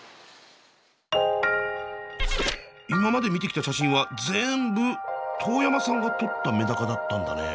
今まで見てきた写真は全部東山さんが撮ったメダカだったんだね。